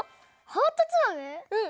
うん！